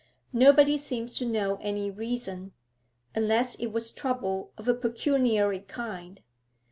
Nobody seems to know any reason, unless it was trouble of a pecuniary kind.